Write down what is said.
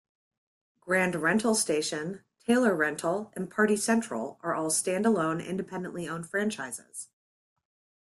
Grand Rental Station, Taylor Rental, and Party Central are all standalone, independently owned franchises.